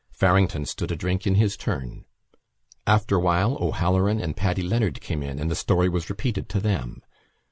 Farrington stood a drink in his turn. After a while O'Halloran and Paddy Leonard came in and the story was repeated to them.